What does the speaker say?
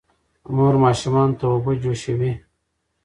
مور ماشومانو ته اوبه جوشوي.